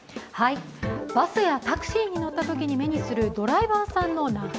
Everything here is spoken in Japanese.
バスやタクシーに乗ったときに目にするドライバーさんの名札。